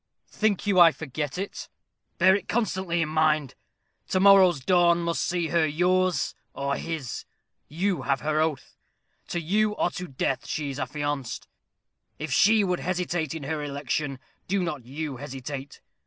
"Think you I forget it?" "Bear it constantly in mind. To morrow's dawn must see her yours or his. You have her oath. To you or to death she is affianced. If she should hesitate in her election, do not you hesitate.